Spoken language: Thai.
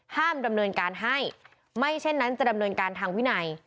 ห้ามดำเนินการให้ไม่เช่นนั้นจะดำเนินการทางวินัย